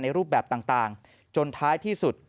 รูปแบบต่างจนท้ายที่สุด